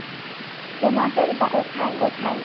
তোমাদের বাবা-মা কোথায়?